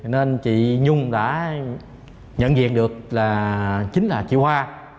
nên chị nhung đã nhận diện được là chính là chị qua